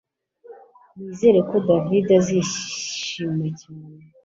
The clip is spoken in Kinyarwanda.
Nizere ko David azishima cyane